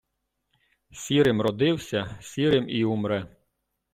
Сірим родився, сірим і умре.